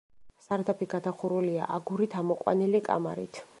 სარდაფი გადახურულია აგურით ამოყვანილი კამარით.